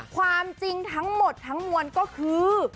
ความจริงทั้งหมดทั้งมวลก็คือ